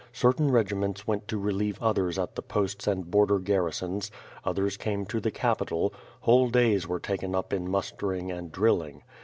Certain regiments went to relieve others at the posts and border garrisons; others came to the capital; whole days were taken up in mustering and drilling.